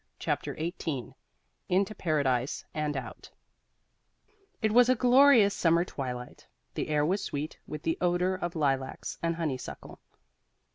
CHAPTER XVIII INTO PARADISE AND OUT It was a glorious summer twilight. The air was sweet with the odor of lilacs and honeysuckle.